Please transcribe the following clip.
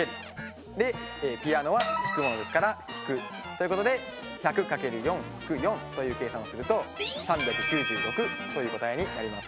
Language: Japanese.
でピアノは弾くものですから−。ということで１００×４−４という計算をすると３９６という答えになります。